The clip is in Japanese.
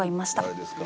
誰ですか？